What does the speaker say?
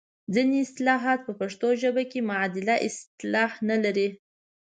ځینې اصطلاحات په پښتو ژبه کې معادله اصطلاح نه لري.